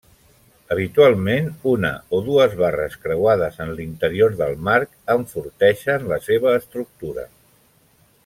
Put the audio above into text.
Habitualment, una o dues barres creuades en l'interior del marc enforteixen la seva estructura.